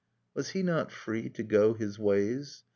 Was he not free to go his ways?